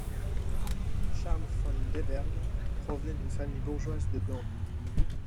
Charles Van Lerberghe provenait d'une famille bourgeoise de Gand.